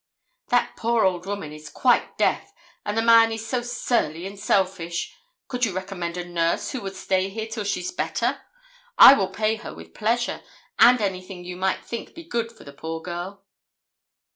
'That poor old woman is quite deaf, and the man is so surly and selfish! Could you recommend a nurse who would stay here till she's better? I will pay her with pleasure, and anything you think might be good for the poor girl.'